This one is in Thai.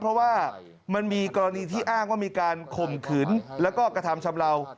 เพราะว่ามันมีกรณีที่อ้างว่ามีการข่มขืนแล้วก็กระทำชำเลา